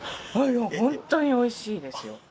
本当においしいですよ。